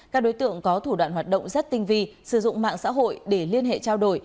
các đối tượng có thủ đoạn hoạt động rất tinh vi sử dụng mạng xã hội để liên hệ trao đổi